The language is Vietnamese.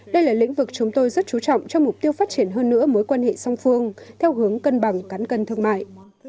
đây là lĩnh vực chúng tôi rất chú trọng cho mục tiêu phát triển hơn nữa mối quan hệ song phương theo hướng cân bằng cán cân thương mại